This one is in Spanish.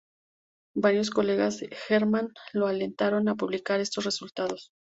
Varios colegas de Hermann lo alentaron a publicar estos resultados.